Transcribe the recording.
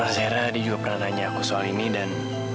serah dia juga pernah nanya aku soal ini dan